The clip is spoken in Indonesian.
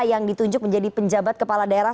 yang ditunjuk menjadi penjabat kepala daerah